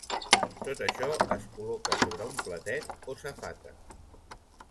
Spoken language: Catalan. Tot això es col·loca sobre un platet o safata.